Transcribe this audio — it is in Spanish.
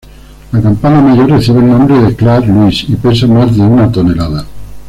La Campana mayor recibe el nombre de "Claire-Louise" y pesa más de una tonelada.